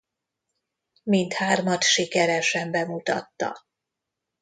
Mind hármat sikeresen bemutatta.